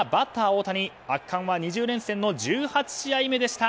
大谷圧巻は２０連戦の１８試合目でした。